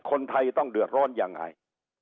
คนไทยต้องเดือดร้อนยังไง